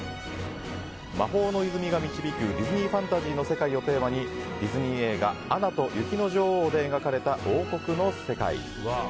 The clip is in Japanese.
魔法の泉が導くディズニーファンタジーの世界をテーマにディズニー映画「アナと雪の女王」で描かれた王国の世界。